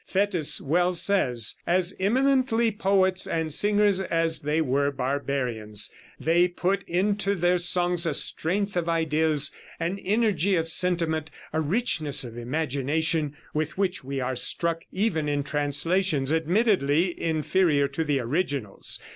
Fétis well says: "As eminently poets and singers as they were barbarians, they put into their songs a strength of ideas, an energy of sentiment, a richness of imagination with which we are struck even in translations, admittedly inferior to the originals.